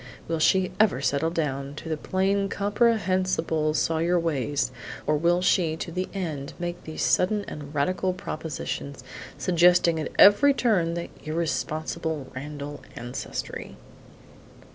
Will she ever settle down to plain, comprehensible Sawyer ways, or will she to the end make these sudden and radical propositions, suggesting at every turn the irresponsible Randall ancestry?